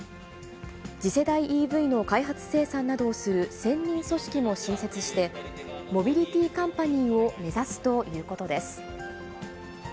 次世代ＥＶの開発生産などをする専任組織も新設して、モビリティカンパニーを目指すということです。